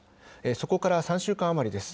そこから３週間余りです。